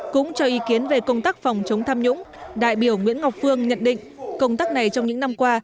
cũng cho ý kiến về công tác phòng chống tham nhũng đại biểu nguyễn ngọc phương nhận định công tác này trong những năm qua